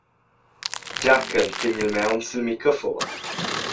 Giachen tegn il maun sil microfon.